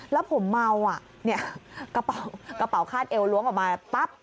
แล้วผมเมาอ่ะเนี่ยกระเป๋าคาดเอวล้วงออกมาปั๊บ